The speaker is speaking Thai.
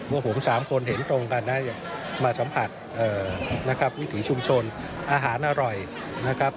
เพราะว่าผม๓คนเห็นตรงกันนะมาสัมผัสวิถีชุมชนอาหารอร่อยนะครับ